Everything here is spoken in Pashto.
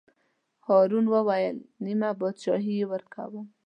هارون وویل: نیمه بادشاهي ورکووم.